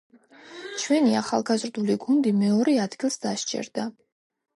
ჩვენი ახალგაზრდული გუნდი მეორე ადგილს დასჯერდა.